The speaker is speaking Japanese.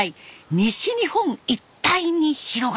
西日本一帯に広がります。